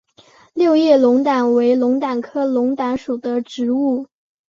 六叶龙胆为龙胆科龙胆属的植物。